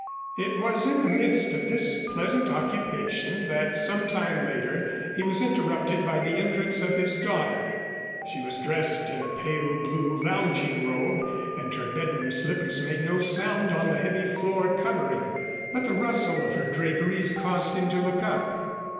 It was in the midst of this pleasant occupation that some time later, he was interrupted by the entrance of his daughter. She was dressed in a pale blue lounging robe, and her bedroom slippers made no sound on the heavy floor covering, but the rustle of her draperies caused him to look up.